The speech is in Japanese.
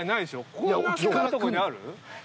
こんな狭いとこにある？